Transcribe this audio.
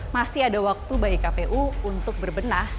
masih ada waktu bagi kpu untuk berbenah